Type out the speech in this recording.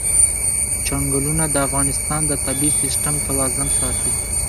چنګلونه د افغانستان د طبعي سیسټم توازن ساتي.